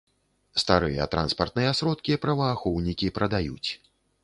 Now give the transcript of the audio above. Старыя транспартныя сродкі праваахоўнікі прадаюць.